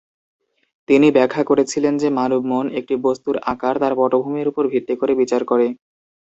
তিনি ব্যাখ্যা করেছিলেন যে মানব মন একটি বস্তুর আকার তার পটভূমির উপর ভিত্তি করে বিচার করে।